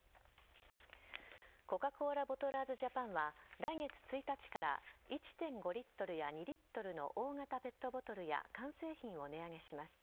コカ・コーラボトラーズジャパンは来月１日から１．５リットルや２リットルの大型ペットボトルや缶製品を値上げします。